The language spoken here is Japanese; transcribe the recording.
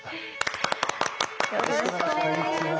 よろしくお願いします。